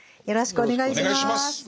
よろしくお願いします。